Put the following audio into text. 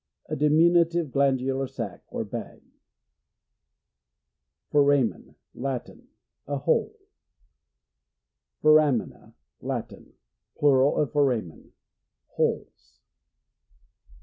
A diminutive glandular sac, or bag. Foramen. — Latin. A hole. Foramena. — Latin. (Plural of fora men.) — Holes.